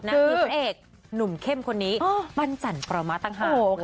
คือพระเอกหนุ่มเข้มคนนี้ปั้นจันประมาทต่างหาก